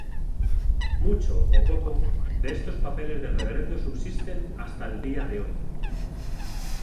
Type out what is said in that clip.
Mucho o poco, de estos papeles del Reverendo subsisten hasta el día de hoy.